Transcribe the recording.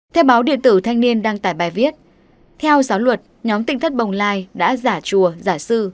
theo báo điện tử thanh niên đăng tải bài viết theo giáo luật nhóm tinh thất bồng lai đã giả chùa giả sư